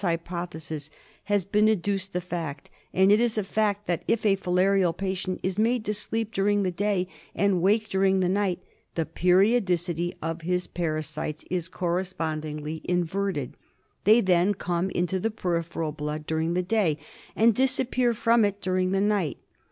73 hypothesis has been adduced the fact, and it is a fact, that if a filarial patient is made to sleep during the day and wake during the night, the periodicity of his parasites is correspondingly inverted ; they then come into the peripheral blood during the day and disappear from it during the night.